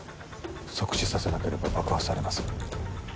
即死させなければ爆破されます